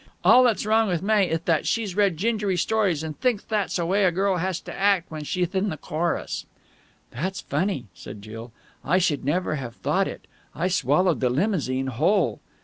All that's wrong with Mae ith that she's read Gingery Stories and thinkth that's the way a girl has to act when she'th in the chorus." "That's funny," said Jill. "I should never have thought it. I swallowed the limousine whole."